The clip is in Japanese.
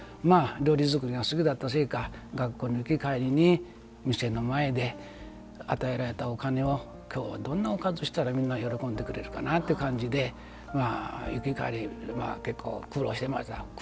料理作りが好きだったせいか学校の行き帰りに店の前で与えられたお金を今日はどんなおかずしたらみんな喜んでくれるかなということで行き帰り、結構工夫してました。